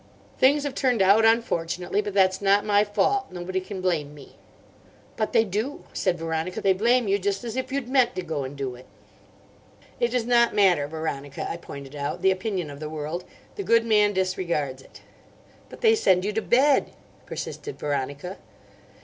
Things have turned out unfortunately: but that's not my fault. Nobody can blame me." "But they do," said Veronica, "they blame you just as if you'd meant to go and do it." "It does not matter, Veronica," I pointed out, "the opinion of the world. The good man disregards it." "But they send you to bed," persisted Veronica.